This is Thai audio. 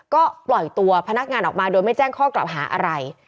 ก็ปล่อยตัวพนักงานออกมาโดยไม่แจ้งข้อกล่าวหาอะไร